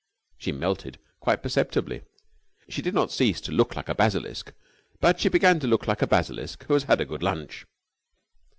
She melted quite perceptibly. She did not cease to look like a basilisk, but she began to look like a basilisk who has had a good lunch.